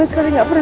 jangan demi saya